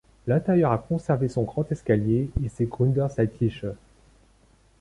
L'intérieur a conservé son grand escalier, et ses gründerzeitliche.